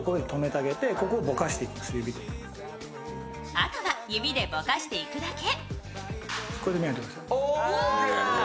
あとは指でぼかしていくだけ。